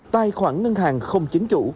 tài khoản ngân hàng không chính chủ